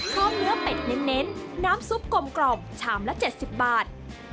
พร้อมเนื้อเป็ดเน้นน้ำซุปกลมชามละ๗๐บาท